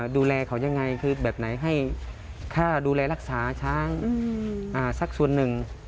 ดูแลเขายังไงคือให้รักษาช้างสักส่วนนึง